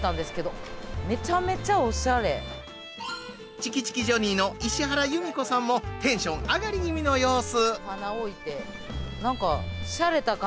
チキチキジョニーの石原祐美子さんもテンション上がり気味の様子。